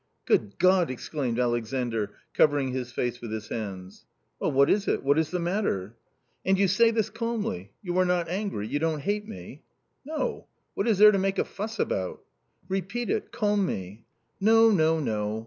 " Good God !" exclaimed Alexandr, covering his face with his hands. " Well, what is it ? what is the matter ?"" And you say this calmly ? you are not angry ? you don't hate me ?"" No ! what is there to make a fuss about ?"" Repeat it, calm me !"" No, no, no."